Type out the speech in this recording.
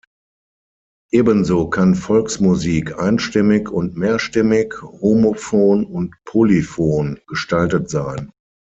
Ebenso kann Volksmusik einstimmig und mehrstimmig, homophon und polyphon gestaltet sein.